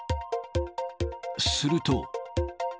すると。